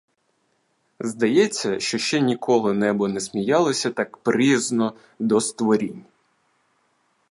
Здається, що ще ніколи небо не сміялося так приязно до створінь.